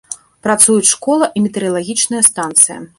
Працуюць школа і метэаралагічная станцыя.